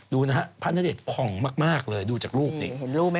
ดูนะฮะพระณเดชน์ผ่องมากเลยดูจากรูปสิ